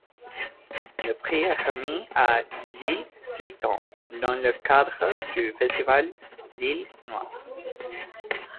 Le prix est remis à Lisle-sur-Tarn, dans le cadre du festival Lisle Noir.